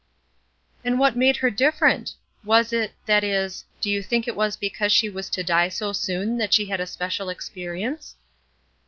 "And what made her different? Was it that is do you think it was because she was to die so soon that she had a special experience?"